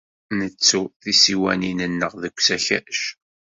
Nettu tisiwanin-nneɣ deg usakac.